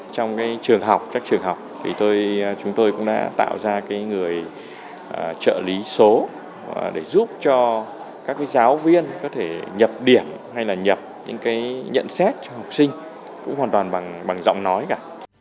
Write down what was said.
trong trường học chúng tôi cũng đã tạo ra người trợ lý số để giúp cho các giáo viên có thể nhập điểm hay là nhập những nhận xét cho học sinh cũng hoàn toàn bằng giọng nói cả